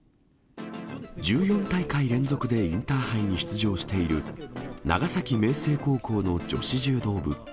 １４大会連続でインターハイに出場している、長崎明誠高校の女子柔道部。